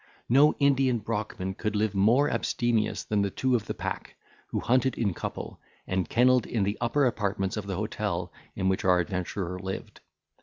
No Indian Brachman could live more abstemious than two of the pack, who hunted in couple, and kennelled in the upper apartments of the hotel in which our adventurer lived.